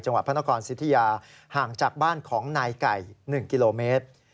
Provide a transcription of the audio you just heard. พระนครสิทธิยาห่างจากบ้านของนายไก่๑กิโลเมตร